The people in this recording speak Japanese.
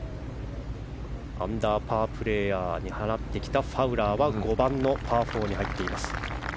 アンダーパープレーヤーのファウラーは５番のパー４に入っています。